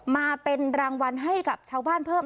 มาเป็นรางวัลให้กับชาวบ้านเพิ่ม